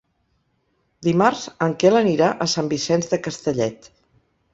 Dimarts en Quel anirà a Sant Vicenç de Castellet.